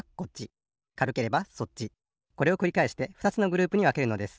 これをくりかえしてふたつのグループにわけるのです。